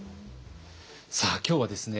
さあ今日はですね